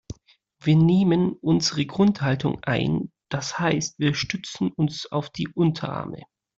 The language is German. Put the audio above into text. Wir nehmen unsere Grundhaltung ein, das heißt wir stützen uns auf die Unterarme.